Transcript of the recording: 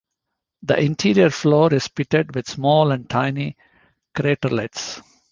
The interior floor is pitted with small and tiny craterlets.